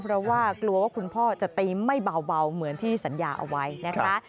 เพราะว่ากลัวว่าคุณพ่อจะตีไม่เบาเหมือนที่สัญญาเอาไว้นะคะ